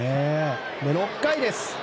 ６回です。